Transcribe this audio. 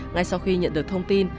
ngay sau khi nhận được thông tin